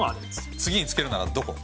次につけるならどこ？